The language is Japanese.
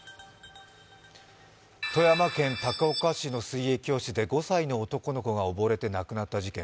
富山県高岡市の水泳教室で５歳の男の子が溺れて亡くなった事件。